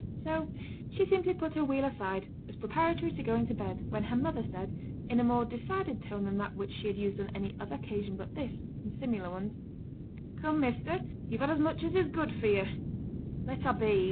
So she simply put her wheel aside, as preparatory to going to bed, when her mother said, in a more decided tone than that which she had used on any other occasion but this, and similar ones 'Come, measter, you've had as much as is good for you.' 'Let a' be!